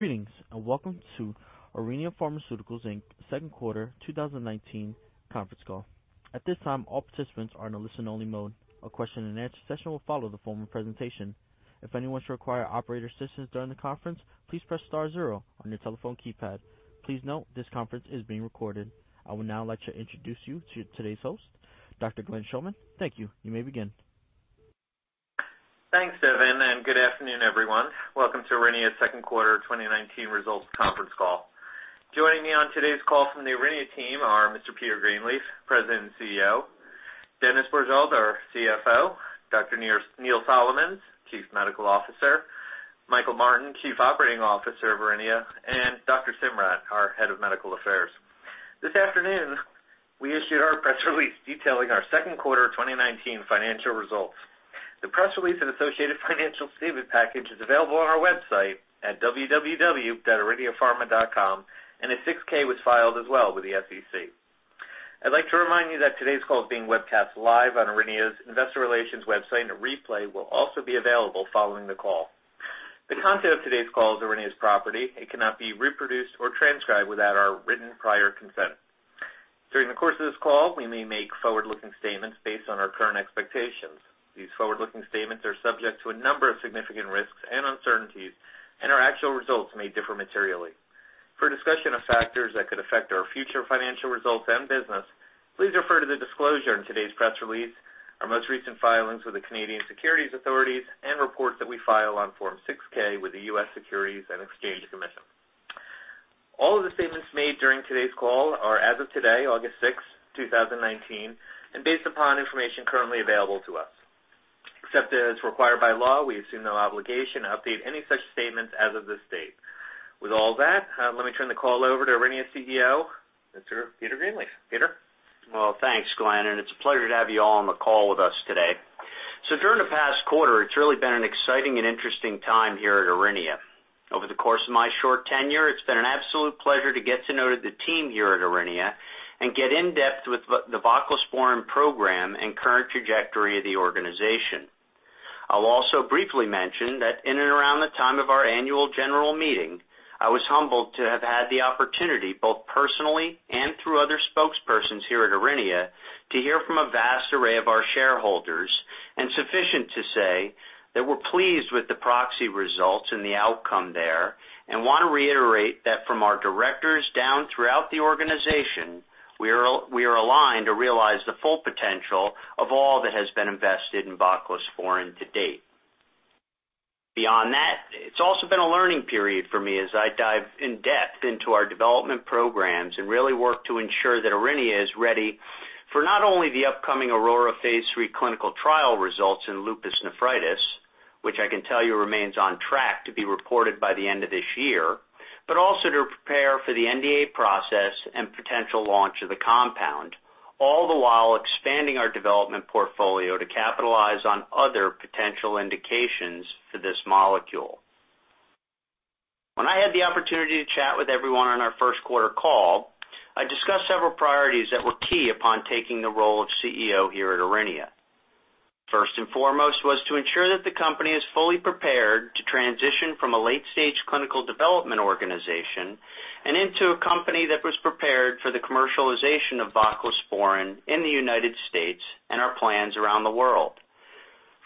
Greetings, and welcome to Aurinia Pharmaceuticals Inc.'s second quarter 2019 conference call. At this time, all participants are in a listen-only mode. A question and answer session will follow the formal presentation. If anyone should require operator assistance during the conference, please press star zero on your telephone keypad. Please note this conference is being recorded. I will now like to introduce you to today's host, Dr. Glenn Schulman. Thank you. You may begin. Thanks, Devin. Good afternoon, everyone. Welcome to Aurinia's second quarter 2019 results conference call. Joining me on today's call from the Aurinia team are Mr. Peter Greenleaf, President and CEO, Dennis Bourgeault, our CFO, Dr. Neil Solomons, Chief Medical Officer, Michael Martin, Chief Operating Officer of Aurinia, and Dr. Simrat, our Head of Medical Affairs. This afternoon, we issued our press release detailing our second quarter 2019 financial results. The press release and associated financial statement package is available on our website at www.auriniapharma.com, and a 6-K was filed as well with the SEC. I'd like to remind you that today's call is being webcast live on Aurinia's investor relations website, and a replay will also be available following the call. The content of today's call is Aurinia's property. It cannot be reproduced or transcribed without our written prior consent. During the course of this call, we may make forward-looking statements based on our current expectations. These forward-looking statements are subject to a number of significant risks and uncertainties, and our actual results may differ materially. For a discussion of factors that could affect our future financial results and business, please refer to the disclosure in today's press release, our most recent filings with the Canadian securities authorities, and reports that we file on Form 6-K with the U.S. Securities and Exchange Commission. All of the statements made during today's call are as of today, August 6, 2019, and based upon information currently available to us. Except as required by law, we assume no obligation to update any such statements as of this date. With all that, let me turn the call over to Aurinia's CEO, Mr. Peter Greenleaf. Peter? Thanks, Glenn, it's a pleasure to have you all on the call with us today. During the past quarter, it's really been an exciting and interesting time here at Aurinia. Over the course of my short tenure, it's been an absolute pleasure to get to know the team here at Aurinia and get in depth with the voclosporin program and current trajectory of the organization. I'll also briefly mention that in and around the time of our annual general meeting, I was humbled to have had the opportunity, both personally and through other spokespersons here at Aurinia, to hear from a vast array of our shareholders. Sufficient to say that we're pleased with the proxy results and the outcome there and want to reiterate that from our directors down throughout the organization, we are aligned to realize the full potential of all that has been invested in voclosporin to date. Beyond that, it's also been a learning period for me as I dive in depth into our development programs and really work to ensure that Aurinia is ready for not only the upcoming AURORA Phase III trial results in lupus nephritis, which I can tell you remains on track to be reported by the end of this year, but also to prepare for the NDA process and potential launch of the compound. All the while expanding our development portfolio to capitalize on other potential indications for this molecule. When I had the opportunity to chat with everyone on our first quarter call, I discussed several priorities that were key upon taking the role of CEO here at Aurinia Pharmaceuticals Inc. First and foremost was to ensure that the company is fully prepared to transition from a late-stage clinical development organization and into a company that was prepared for the commercialization of voclosporin in the United States and our plans around the world.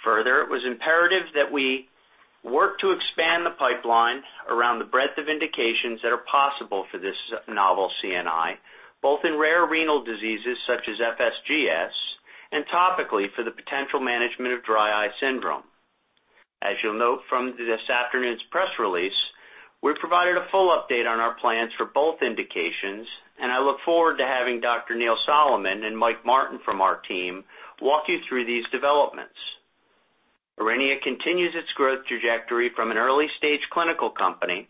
Further, it was imperative that we work to expand the pipeline around the breadth of indications that are possible for this novel CNI, both in rare renal diseases such as FSGS and topically for the potential management of dry eye syndrome. As you'll note from this afternoon's press release, we've provided a full update on our plans for both indications. I look forward to having Dr. Neil Solomons and Michael Martin from our team walk you through these developments. Aurinia continues its growth trajectory from an early-stage clinical company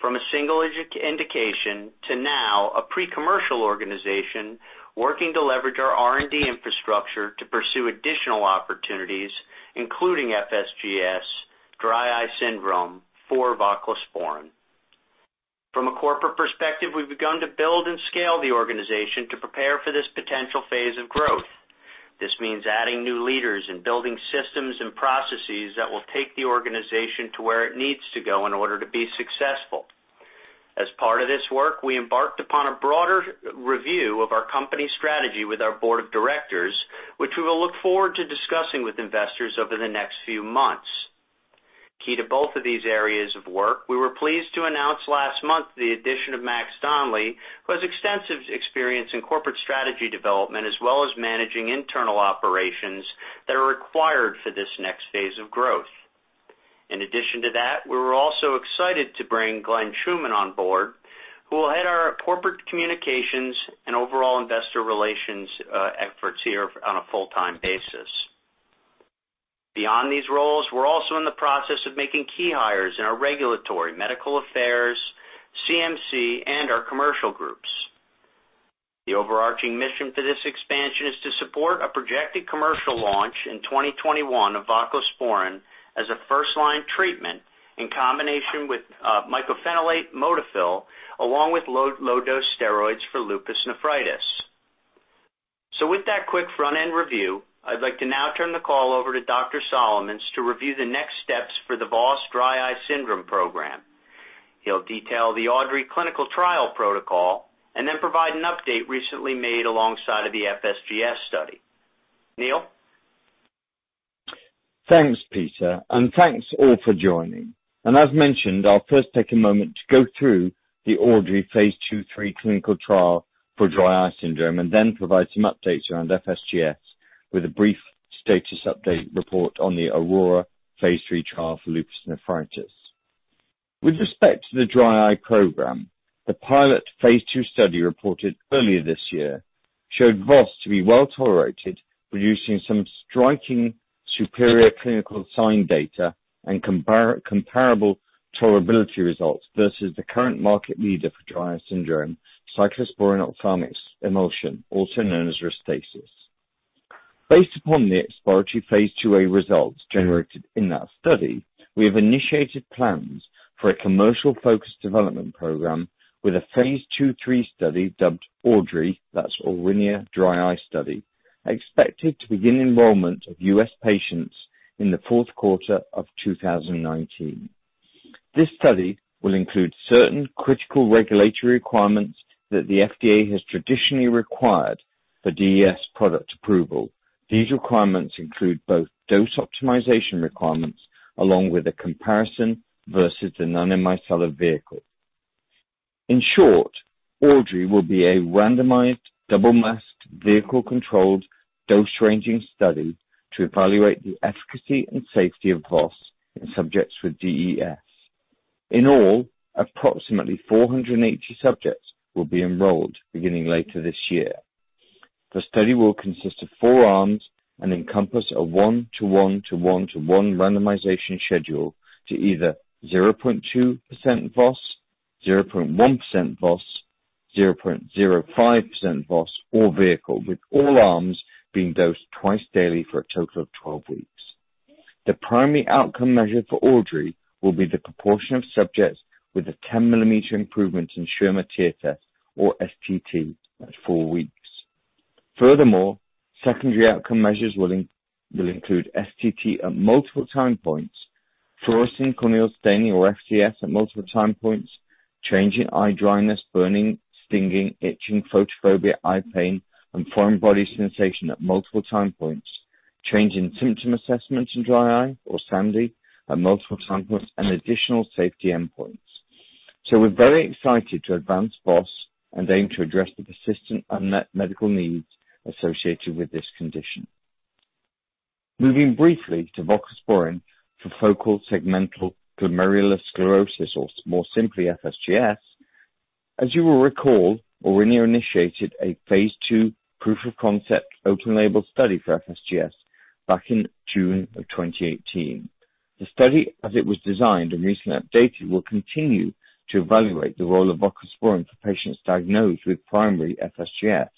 from a single indication to now a pre-commercial organization working to leverage our R&D infrastructure to pursue additional opportunities, including FSGS, dry eye syndrome for voclosporin. From a corporate perspective, we've begun to build and scale the organization to prepare for this potential phase of growth. This means adding new leaders and building systems and processes that will take the organization to where it needs to go in order to be successful. As part of this work, we embarked upon a broader review of our company strategy with our board of directors, which we will look forward to discussing with investors over the next few months. Key to both of these areas of work, we were pleased to announce last month the addition of Max Colao, who has extensive experience in corporate strategy development as well as managing internal operations that are required for this next phase of growth. In addition to that, we were also excited to bring Glenn Schulman on board, who will head our corporate communications and overall investor relations efforts here on a full-time basis. Beyond these roles, we're also in the process of making key hires in our regulatory medical affairs, CMC, and our commercial groups. The overarching mission for this expansion is to support a projected commercial launch in 2021 of voclosporin as a first-line treatment in combination with mycophenolate mofetil along with low dose steroids for lupus nephritis. With that quick front-end review, I'd like to now turn the call over to Dr. Solomons to review the next steps for the VOS Dry Eye Syndrome program. He'll detail the AUDREY clinical trial protocol and then provide an update recently made alongside of the FSGS study. Neil? Thanks, Peter, thanks all for joining. As mentioned, I'll first take a moment to go through the AUDREY phase II/III clinical trial for dry eye syndrome and then provide some updates around FSGS with a brief status update report on the AURORA phase III trial for lupus nephritis. With respect to the dry eye program, the pilot phase II study reported earlier this year showed VOS to be well-tolerated, producing some striking superior clinical sign data and comparable tolerability results versus the current market leader for dry eye syndrome, cyclosporine ophthalmic emulsion, also known as RESTASIS. Based upon the exploratory phase IIa results generated in that study, we have initiated plans for a commercial-focused development program with a phase II/III study dubbed AUDREY, that's Aurinia Dry Eye Study, expected to begin enrollment of U.S. patients in the fourth quarter of 2019. This study will include certain critical regulatory requirements that the FDA has traditionally required for DES product approval. These requirements include both dose optimization requirements along with a comparison versus the non-micellar vehicle. In short, AUDREY will be a randomized, double-masked, vehicle-controlled, dose-ranging study to evaluate the efficacy and safety of VOS in subjects with DES. In all, approximately 480 subjects will be enrolled beginning later this year. The study will consist of four arms and encompass a one-to-one-to-one-to-one randomization schedule to either 0.2% VOS, 0.1% VOS, 0.05% VOS, or vehicle, with all arms being dosed twice daily for a total of 12 weeks. The primary outcome measure for AUDREY will be the proportion of subjects with a 10-millimeter improvement in Schirmer tear test, or STT, at four weeks. Secondary outcome measures will include STT at multiple time points, fluorescein corneal staining, or FCS, at multiple time points, change in eye dryness, burning, stinging, itching, photophobia, eye pain, and foreign body sensation at multiple time points, change in Symptom Assessment in Dry Eye, or SANDE, at multiple time points, and additional safety endpoints. We're very excited to advance VOS and aim to address the persistent unmet medical needs associated with this condition. Moving briefly to voclosporin for focal segmental glomerulosclerosis, or more simply, FSGS. As you will recall, Aurinia initiated a phase II proof-of-concept open-label study for FSGS back in June of 2018. The study, as it was designed and recently updated, will continue to evaluate the role of voclosporin for patients diagnosed with primary FSGS.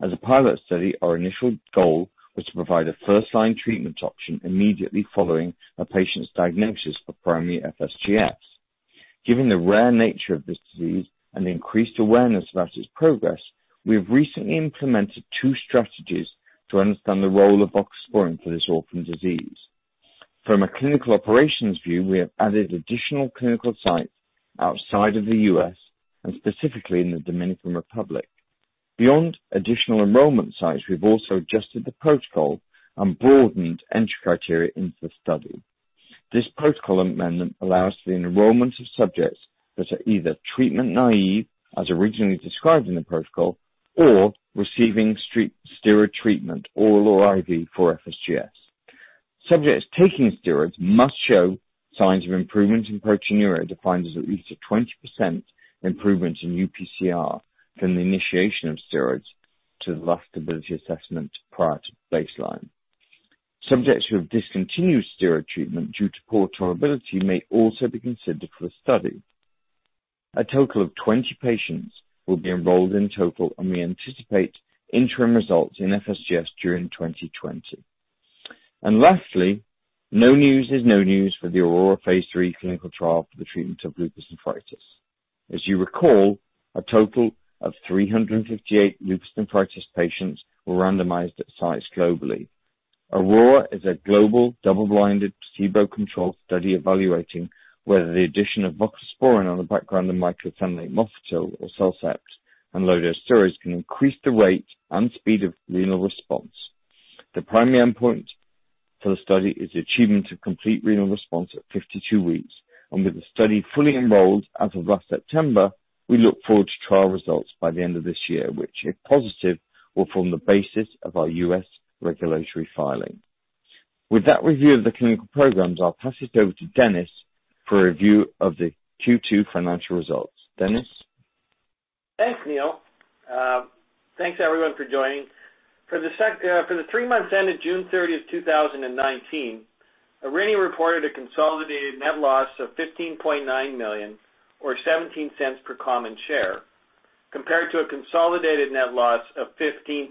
As a pilot study, our initial goal was to provide a first-line treatment option immediately following a patient's diagnosis for primary FSGS. Given the rare nature of this disease and the increased awareness about its progress, we have recently implemented two strategies to understand the role of voclosporin for this orphan disease. From a clinical operations view, we have added additional clinical sites outside of the U.S. and specifically in the Dominican Republic. Beyond additional enrollment sites, we've also adjusted the protocol and broadened entry criteria into the study. This protocol amendment allows for the enrollment of subjects that are either treatment naive, as originally described in the protocol, or receiving steroid treatment, oral or IV, for FSGS. Subjects taking steroids must show signs of improvement in proteinuria, defined as at least a 20% improvement in UPCR from the initiation of steroids to the last stability assessment prior to baseline. Subjects who have discontinued steroid treatment due to poor tolerability may also be considered for the study. A total of 20 patients will be enrolled in total. We anticipate interim results in FSGS during 2020. Lastly, no news is no news for the AURORA phase III clinical trial for the treatment of lupus nephritis. As you recall, a total of 358 lupus nephritis patients were randomized at sites globally. AURORA is a global double-blinded placebo-controlled study evaluating whether the addition of voclosporin on the background of mycophenolate mofetil, or CellCept, and low-dose steroids can increase the rate and speed of renal response. The primary endpoint for the study is the achievement of complete renal response at 52 weeks. With the study fully enrolled as of last September, we look forward to trial results by the end of this year, which, if positive, will form the basis of our U.S. regulatory filing. With that review of the clinical programs, I'll pass it over to Dennis for a review of the Q2 financial results. Dennis? Thanks, Neil. Thanks, everyone, for joining. For the three months ended June 30, 2019, Aurinia reported a consolidated net loss of 15.9 million or 0.17 per common share, compared to a consolidated net loss of 15.7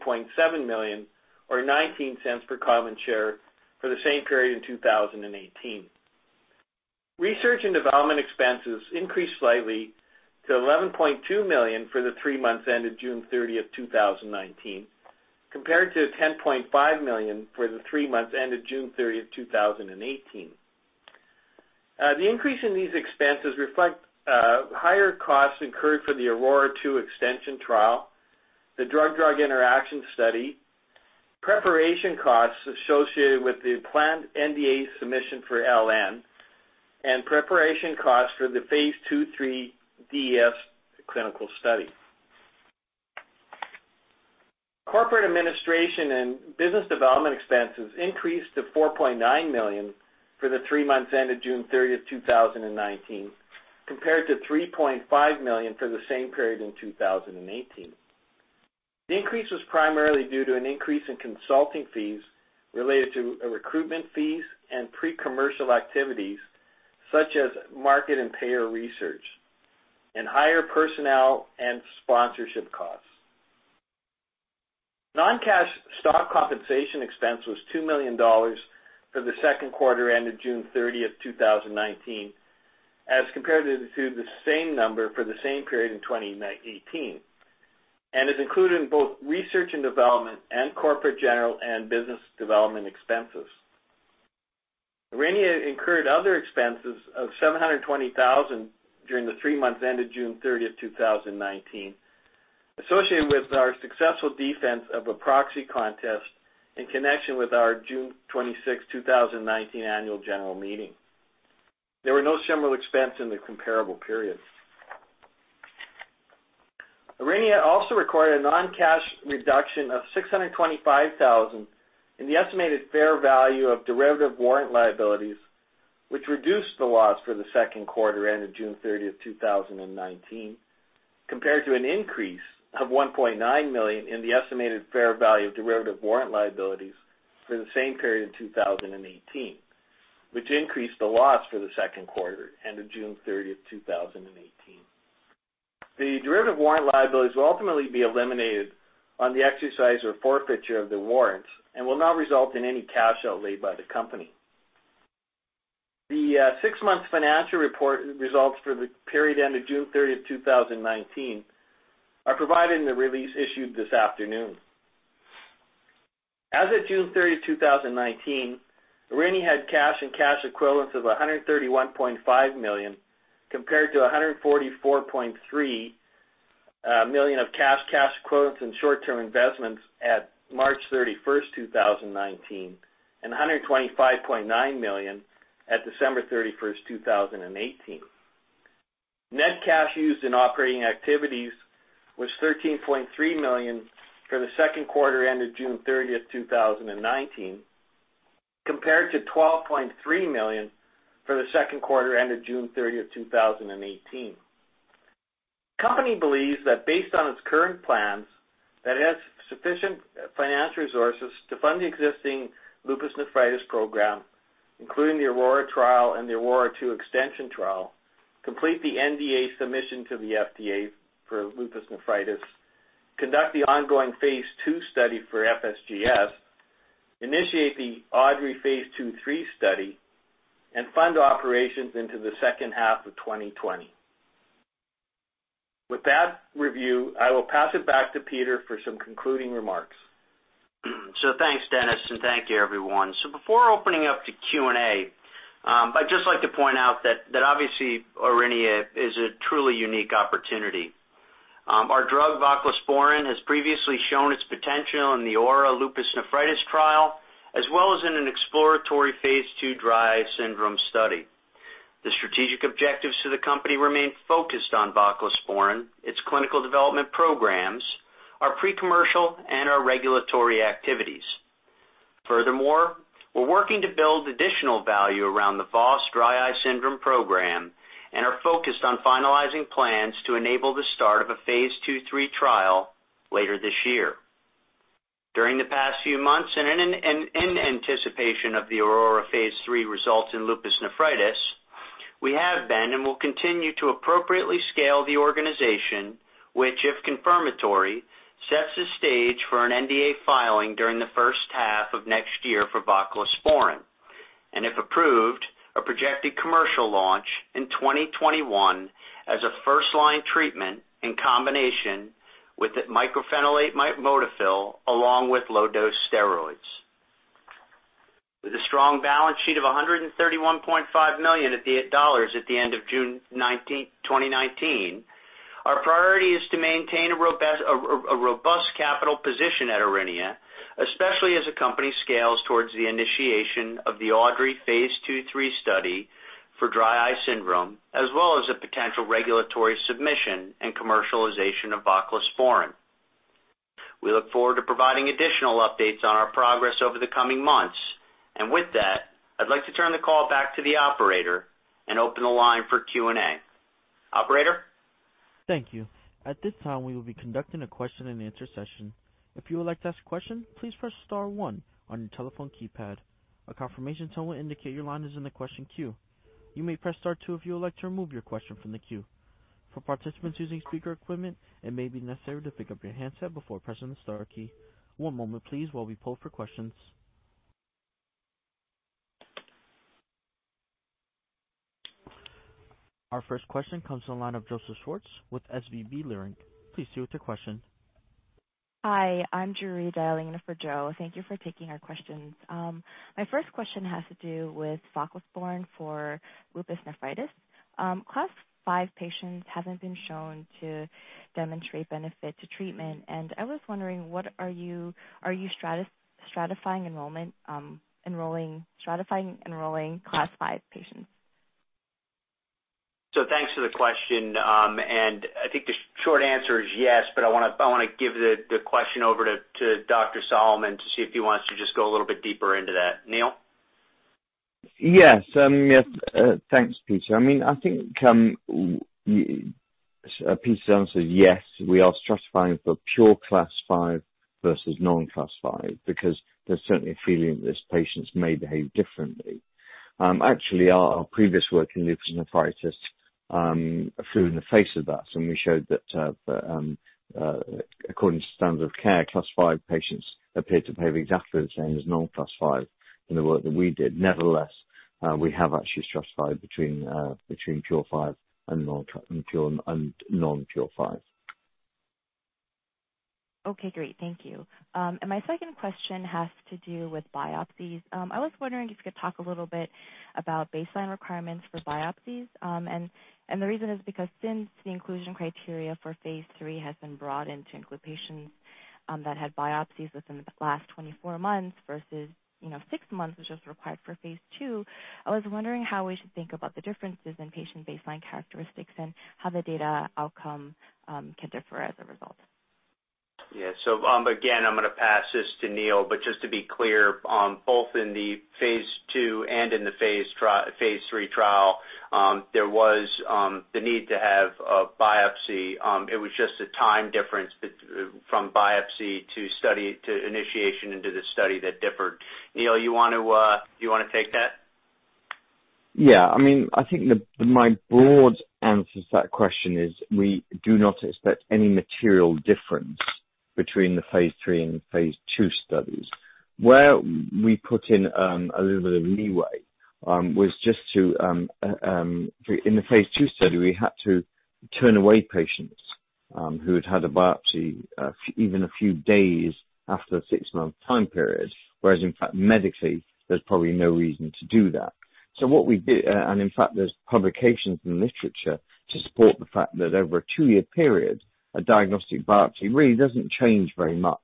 million or 0.19 per common share for the same period in 2018. Research and development expenses increased slightly to 11.2 million for the three months ended June 30, 2019, compared to 10.5 million for the three months ended June 30, 2018. The increase in these expenses reflect higher costs incurred for the AURORA 2 extension trial, the drug-drug interaction study, preparation costs associated with the planned NDA submission for LN, and preparation costs for the phase II-III DES clinical study. Corporate administration and business development expenses increased to 4.9 million for the three months ended June 30, 2019, compared to 3.5 million for the same period in 2018. The increase was primarily due to an increase in consulting fees related to recruitment fees and pre-commercial activities, such as market and payer research, and higher personnel and sponsorship costs. Non-cash stock compensation expense was 2 million dollars for the second quarter ended June 30th, 2019, as compared to the same number for the same period in 2018, and is included in both research and development and corporate general and business development expenses. Aurinia incurred other expenses of 720,000 during the three months ended June 30th, 2019, associated with our successful defense of a proxy contest in connection with our June 26th, 2019 annual general meeting. There were no similar expense in the comparable periods. Aurinia also recorded a non-cash reduction of 625,000 in the estimated fair value of derivative warrant liabilities, which reduced the loss for the second quarter ended June 30th, 2019, compared to an increase of 1.9 million in the estimated fair value of derivative warrant liabilities for the same period in 2018, which increased the loss for the second quarter ended June 30th, 2018. The derivative warrant liabilities will ultimately be eliminated on the exercise or forfeiture of the warrants and will not result in any cash outlay by the company. The six-month financial report results for the period ended June 30th, 2019, are provided in the release issued this afternoon. As of June 30th, 2019, Aurinia had cash and cash equivalents of 131.5 million, compared to 144.3 million of cash equivalents, and short-term investments at March 31st, 2019, and 125.9 million at December 31st, 2018. Net cash used in operating activities was 13.3 million for the second quarter ended June 30th, 2019, compared to 12.3 million for the second quarter ended June 30th, 2018. The company believes that based on its current plans, that it has sufficient financial resources to fund the existing lupus nephritis program, including the AURORA trial and the AURORA 2 extension trial, complete the NDA submission to the FDA for lupus nephritis, conduct the ongoing phase II study for FSGS, initiate the AUDREY phase II-III study, and fund operations into the second half of 2020. With that review, I will pass it back to Peter for some concluding remarks. Thanks, Dennis, and thank you, everyone. Before opening up to Q&A, I'd just like to point out that obviously Aurinia is a truly unique opportunity. Our drug voclosporin has previously shown its potential in the AURORA lupus nephritis trial, as well as in an exploratory phase II dry eye syndrome study. The strategic objectives to the company remain focused on voclosporin, its clinical development programs, our pre-commercial, and our regulatory activities. Furthermore, we're working to build additional value around the VOS dry eye syndrome program and are focused on finalizing plans to enable the start of a phase II-III trial later this year. During the past few months and in anticipation of the AURORA Phase III results in lupus nephritis, we have been and will continue to appropriately scale the organization, which, if confirmatory, sets the stage for an NDA filing during the first half of next year for voclosporin. If approved, a projected commercial launch in 2021 as a first-line treatment in combination with mycophenolate mofetil along with low-dose steroids. With a strong balance sheet of 131.5 million dollars at the end of June 2019, our priority is to maintain a robust capital position at Aurinia, especially as the company scales towards the initiation of the AUDREY Phase II-III study for dry eye syndrome, as well as a potential regulatory submission and commercialization of voclosporin. We look forward to providing additional updates on our progress over the coming months. With that, I'd like to turn the call back to the operator and open the line for Q&A. Operator? Thank you. At this time, we will be conducting a question and answer session. If you would like to ask a question, please press star one on your telephone keypad. A confirmation tone will indicate your line is in the question queue. You may press star two if you would like to remove your question from the queue. For participants using speaker equipment, it may be necessary to pick up your handset before pressing the star key. One moment please while we poll for questions. Our first question comes on the line of Joseph Schwartz with SVB Leerink. Please proceed with your question. Hi, I'm Julie dialing in for Joe. Thank you for taking our questions. My first question has to do with voclosporin for lupus nephritis. Class 5 patients haven't been shown to demonstrate benefit to treatment, and I was wondering, are you stratifying enrolling Class 5 patients? Thanks for the question. I think the short answer is yes, but I want to give the question over to Dr. Solomons to see if he wants to just go a little bit deeper into that. Neil? Yes. Thanks, Peter. I think, Peter's answer is yes, we are stratifying for pure Class 5 versus non-Class 5 because there's certainly a feeling that these patients may behave differently. Actually, our previous work in lupus nephritis flew in the face of that, and we showed that according to standard of care, Class 5 patients appeared to behave exactly the same as non-Class 5 in the work that we did. Nevertheless, we have actually stratified between pure 5 and non-pure 5. Okay, great. Thank you. My second question has to do with biopsies. I was wondering if you could talk a little bit about baseline requirements for biopsies. The reason is because since the inclusion criteria for phase III has been broadened to include patients that had biopsies within the last 24 months versus six months, which was required for phase II, I was wondering how we should think about the differences in patient baseline characteristics and how the data outcome can differ as a result. Again, I'm going to pass this to Neil, just to be clear, both in the phase II and in the phase III trial, there was the need to have a biopsy. It was just a time difference from biopsy to initiation into the study that differed. Neil, do you want to take that? I think my broad answer to that question is we do not expect any material difference between the phase III and phase II studies. Where we put in a little bit of leeway was just to, in the phase II study, we had to turn away patients who had had a biopsy even a few days after the 6-month time period, whereas in fact, medically, there's probably no reason to do that. In fact, there's publications in the literature to support the fact that over a 2-year period, a diagnostic biopsy really doesn't change very much.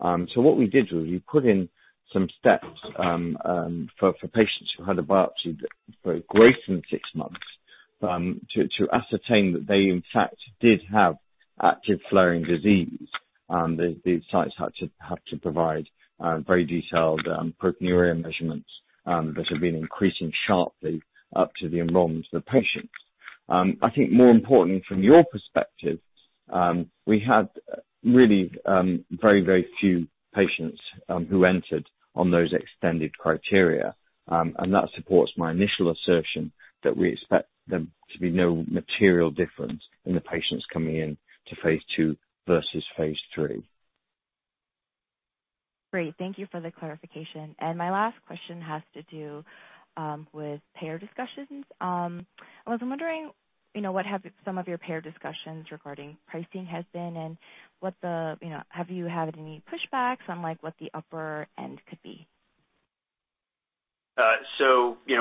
What we did was we put in some steps for patients who had a biopsy greater than 6 months, to ascertain that they in fact did have active flaring disease. The sites had to provide very detailed proteinuria measurements that had been increasing sharply up to the enrollment of the patients. I think more importantly from your perspective, we had really very few patients who entered on those extended criteria. That supports my initial assertion that we expect there to be no material difference in the patients coming in to phase II versus phase III. Great. Thank you for the clarification. My last question has to do with payer discussions. I was wondering what have some of your payer discussions regarding pricing has been, and have you had any pushbacks on what the upper end could be?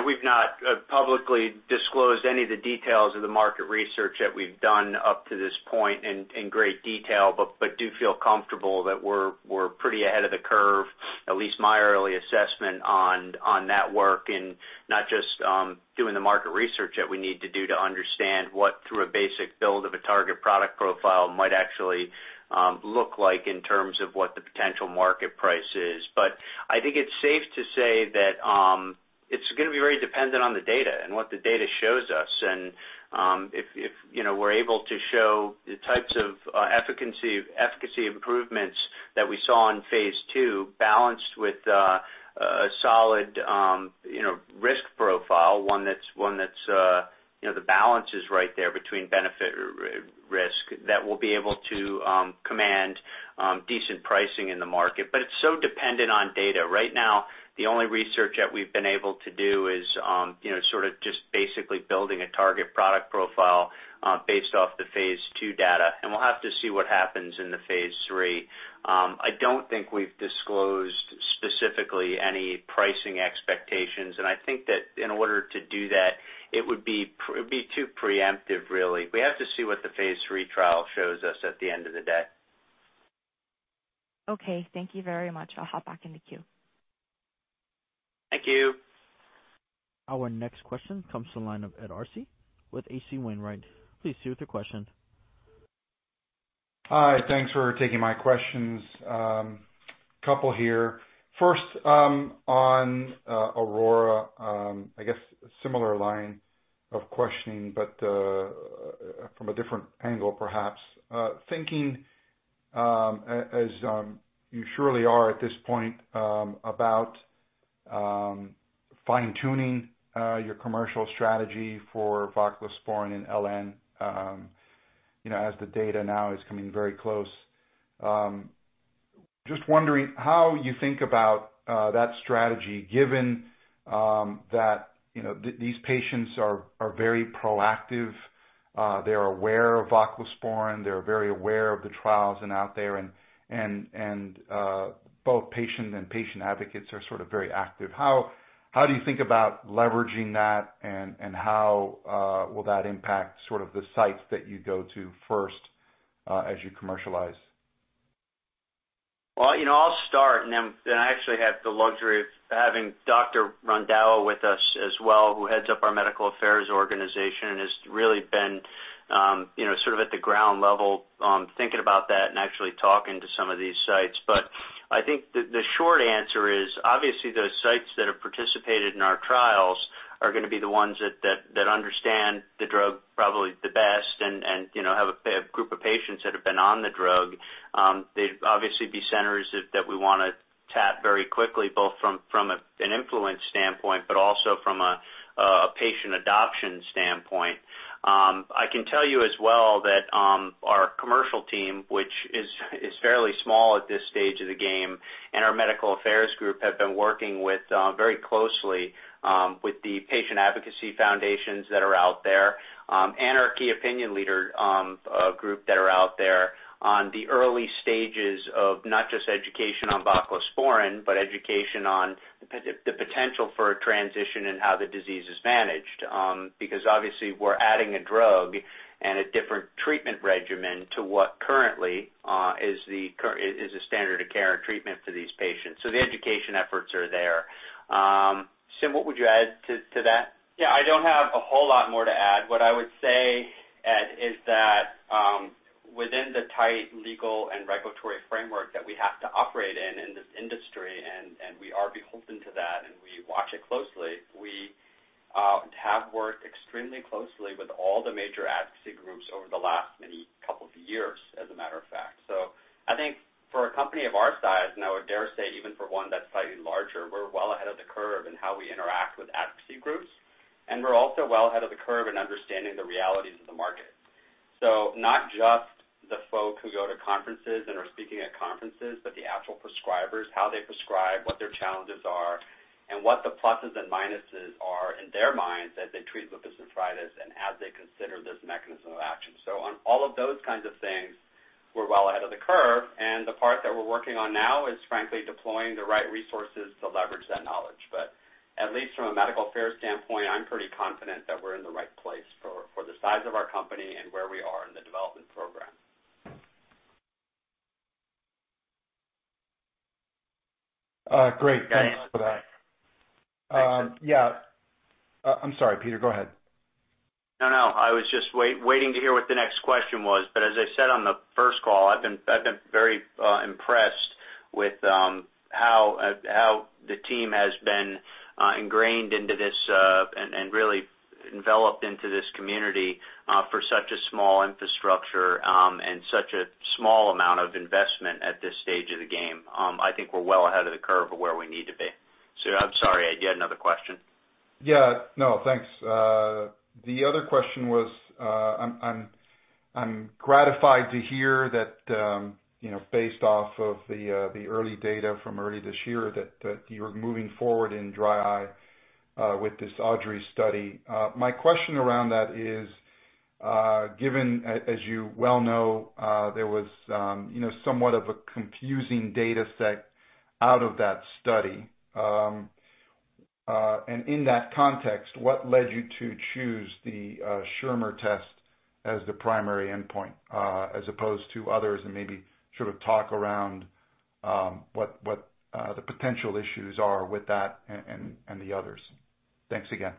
We've not publicly disclosed any of the details of the market research that we've done up to this point in great detail, but do feel comfortable that we're pretty ahead of the curve, at least my early assessment on that work, and not just doing the market research that we need to do to understand what through a basic build of a target product profile might actually look like in terms of what the potential market price is. I think it's safe to say that it's going to be very dependent on the data and what the data shows us. If we're able to show the types of efficacy improvements that we saw in phase II, balanced with a solid risk profile, one that's the balance is right there between benefit risk, that we'll be able to command decent pricing in the market. It's so dependent on data. Right now, the only research that we've been able to do is sort of just basically building a target product profile based off the phase II data. We'll have to see what happens in the phase III. I don't think we've disclosed specifically any pricing expectations, and I think that in order to do that, it would be too preemptive, really. We have to see what the phase III trial shows us at the end of the day. Okay. Thank you very much. I'll hop back in the queue. Thank you. Our next question comes to the line of Ed Arce with H.C. Wainwright. Please proceed with your question. Hi. Thanks for taking my questions. Couple here. First, on AURORA, I guess a similar line of questioning, but from a different angle perhaps. Thinking as you surely are at this point about fine-tuning your commercial strategy for voclosporin in LN as the data now is coming very close. Just wondering how you think about that strategy, given that these patients are very proactive. They're aware of voclosporin, they're very aware of the trials out there, and both patient and patient advocates are sort of very active. How do you think about leveraging that, and how will that impact sort of the sites that you go to first as you commercialize? Well, I'll start, and then I actually have the luxury of having Dr. Runda with us as well, who heads up our Medical Affairs organization and has really been sort of at the ground level, thinking about that and actually talking to some of these sites. I think the short answer is, obviously those sites that have participated in our trials are going to be the ones that understand the drug probably the best and have a group of patients that have been on the drug. They'd obviously be centers that we want to tap very quickly, both from an influence standpoint but also from a patient adoption standpoint. I can tell you as well that our commercial team, which is fairly small at this stage of the game, and our Medical Affairs group have been working very closely with the patient advocacy foundations that are out there, and our key opinion leader group that are out there on the early stages of not just education on voclosporin, but education on the potential for a transition in how the disease is managed. Obviously we're adding a drug and a different treatment regimen to what currently is a standard of care and treatment for these patients. The education efforts are there. [Daniel], what would you add to that? Yeah, I don't have a whole lot more to add. What I would say, Ed, is that within the tight legal and regulatory framework that we have to operate in in this industry, we are beholden to that, and we watch it closely. We have worked extremely closely with all the major advocacy groups over the last many couple of years, as a matter of fact. I think for a company of our size, and I would dare say even for one that's slightly larger, we're well ahead of the curve in how we interact with advocacy groups. We're also well ahead of the curve in understanding the realities of the market. Not just the folks who go to conferences and are speaking at conferences, but the actual prescribers, how they prescribe, what their challenges are, and what the pluses and minuses are in their minds as they treat lupus nephritis and as they consider this mechanism of action. On all of those kinds of things, we're well ahead of the curve, and the part that we're working on now is frankly deploying the right resources to leverage that knowledge. At least from a medical affairs standpoint, I'm pretty confident that we're in the right place for the size of our company and where we are in the development program. Great. Thanks for that. Thanks. Yeah. I'm sorry, Peter, go ahead. No, I was just waiting to hear what the next question was. As I said on the first call, I've been very impressed with how the team has been ingrained into this, and really enveloped into this community, for such a small infrastructure, and such a small amount of investment at this stage of the game. I think we're well ahead of the curve of where we need to be. I'm sorry, Ed, you had another question? Yeah. No, thanks. The other question was, I'm gratified to hear that based off of the early data from early this year, that you're moving forward in dry eye with this AUDREY study. My question around that is, given, as you well know, there was somewhat of a confusing data set out of that study. In that context, what led you to choose the Schirmer test as the primary endpoint, as opposed to others? Maybe sort of talk around what the potential issues are with that and the others. Thanks again.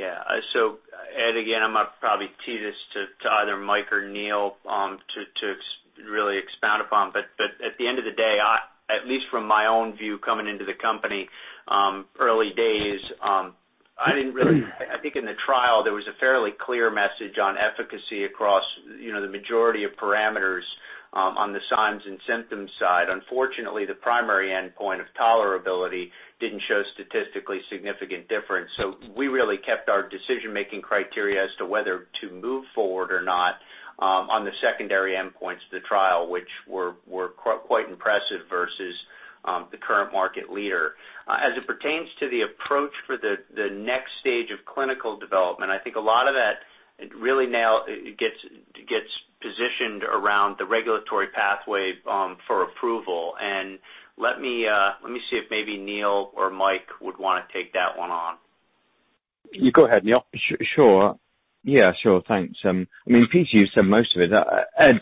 Ed, again, I'm going to probably tee this to either Mike or Neil to really expound upon. At the end of the day, at least from my own view coming into the company early days, I think in the trial, there was a fairly clear message on efficacy across the majority of parameters on the signs and symptoms side. Unfortunately, the primary endpoint of tolerability didn't show statistically significant difference. We really kept our decision-making criteria as to whether to move forward or not on the secondary endpoints of the trial, which were quite impressive versus the current market leader. As it pertains to the approach for the next stage of clinical development, I think a lot of that really now gets positioned around the regulatory pathway for approval. Let me see if maybe Neil or Mike would want to take that one on. You go ahead, Neil. Sure. Yeah, sure. Thanks. I mean, Pete, you said most of it. Ed,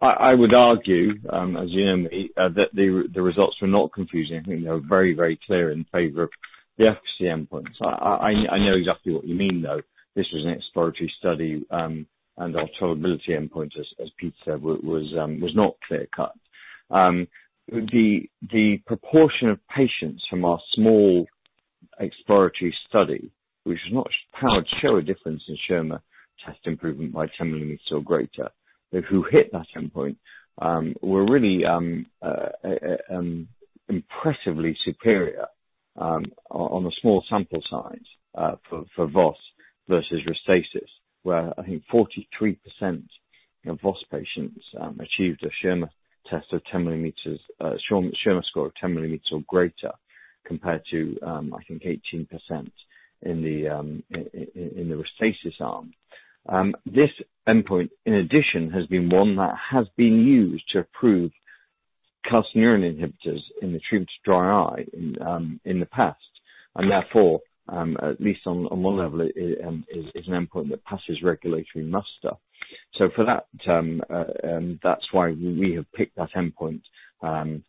I would argue, as you know me, that the results were not confusing. They were very clear in favor of the efficacy endpoints. I know exactly what you mean, though. This was an exploratory study, and our tolerability endpoint, as Pete said, was not clear cut. The proportion of patients from our small exploratory study, which is not powered to show a difference in Schirmer test improvement by 10 millimeters or greater, but who hit that endpoint were really impressively superior on a small sample size for VOS versus RESTASIS, where I think 43% of VOS patients achieved a Schirmer score of 10 millimeters or greater, compared to, I think, 18% in the RESTASIS arm. This endpoint, in addition, has been one that has been used to approve calcineurin inhibitors in the treatment of dry eye in the past, and therefore, at least on one level, is an endpoint that passes regulatory muster. For that's why we have picked that endpoint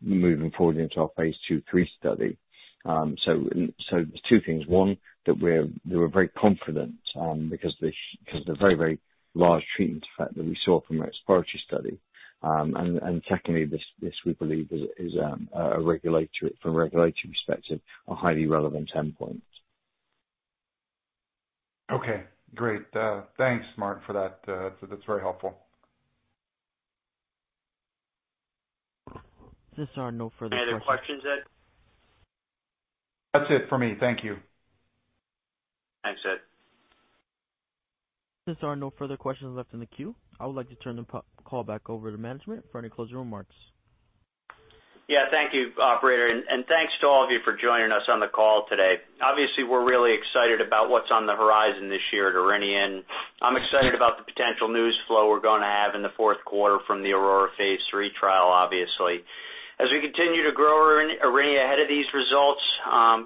moving forward into our phase II/III study. There's two things. One, that we're very confident because of the very large treatment effect that we saw from our exploratory study. Secondly, this, we believe, is, from a regulatory perspective, a highly relevant endpoint. Okay, great. Thanks, Neil, for that. That's very helpful. Since there are no further questions. Any other questions, Ed? That's it for me. Thank you. Thanks, Ed. Since there are no further questions left in the queue, I would like to turn the call back over to management for any closing remarks. Thank you, operator, and thanks to all of you for joining us on the call today. We're really excited about what's on the horizon this year at Aurinia, and I'm excited about the potential news flow we're going to have in the fourth quarter from the AURORA phase III trial. As we continue to grow Aurinia ahead of these results,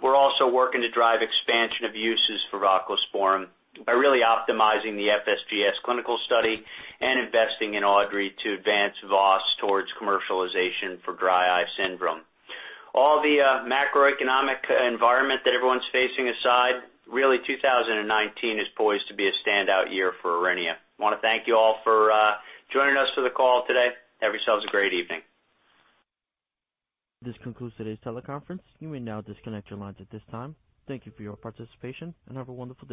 we're also working to drive expansion of uses for voclosporin by really optimizing the FSGS clinical study and investing in AUDREY to advance VOS towards commercialization for dry eye syndrome. All the macroeconomic environment that everyone's facing aside, really, 2019 is poised to be a standout year for Aurinia. I want to thank you all for joining us for the call today. Have yourselves a great evening. This concludes today's teleconference. You may now disconnect your lines at this time. Thank you for your participation, and have a wonderful day.